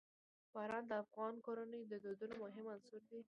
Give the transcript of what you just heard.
باران د افغان کورنیو د دودونو مهم عنصر دی.